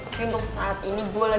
oke untuk saat ini gue lah